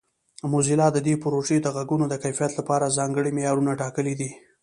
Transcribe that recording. موزیلا د دې پروژې د غږونو د کیفیت لپاره ځانګړي معیارونه ټاکلي دي.